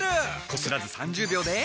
こすらず３０秒で。